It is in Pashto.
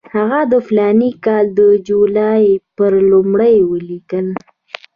هغه د فلاني کال د جولای پر لومړۍ ولیکل.